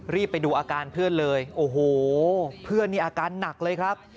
รีบไปดูอาการเพื่อนเลยโอ้โหเพื่อนนี่อาการหนักเลยครับ